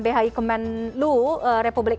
bhi kemenlu republik